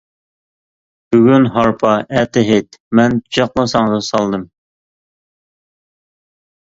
بۈگۈن ھارپا، ئەتە ھېيت، مەن جىقلا ساڭزا سالدىم.